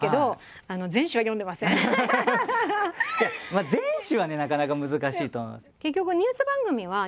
まあ全紙はねなかなか難しいと思います。